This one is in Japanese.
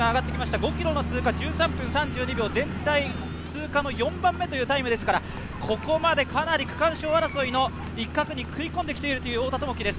５ｋｍの通過１３分３２秒全体通過の４番目というタイムですからここまでかなり区間賞争いの一角に食い込んできている太田智樹です。